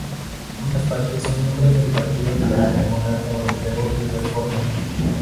Ambas partes son miembros del Partido Liberal Demócrata Europeo y Reforma.